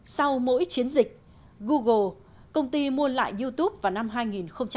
sau mỗi chiến dịch google công ty mua lại youtube vào năm hai nghìn hai mươi đã tăng số lượng kiểm dịch viên nội dung